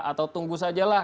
atau tunggu saja lah